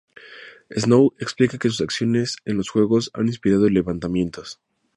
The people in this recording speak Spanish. Snow explica que sus acciones en los Juegos han inspirado levantamientos.